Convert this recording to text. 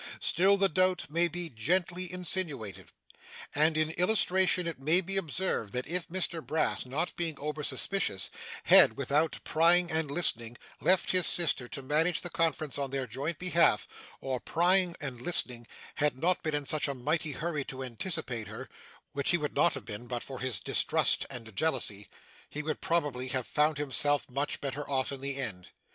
Still, the doubt may be gently insinuated. And in illustration it may be observed, that if Mr Brass, not being over suspicious, had, without prying and listening, left his sister to manage the conference on their joint behalf, or prying and listening, had not been in such a mighty hurry to anticipate her (which he would not have been, but for his distrust and jealousy), he would probably have found himself much better off in the end.